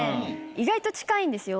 意外と近いんですよ